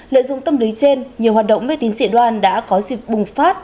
lợi dụng tâm lý trên nhiều hoạt động mê tín dị đoan đã có dịp bùng phát